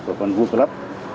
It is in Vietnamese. của con world club